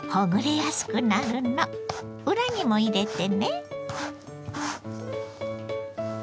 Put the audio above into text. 裏にも入れてね。